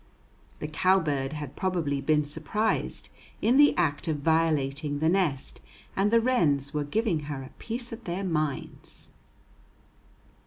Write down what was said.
The cowbird had probably been surprised in the act of violating the nest, and the wrens were giving her a piece of their minds.